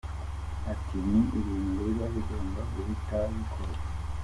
Ati “Ni ibintu biba bigomba guhita bikorwa.